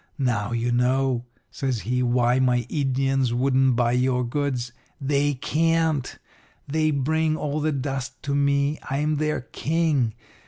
Now, you know,' says he, 'why my Indians wouldn't buy your goods. They can't. They bring all the dust to me. I'm their king.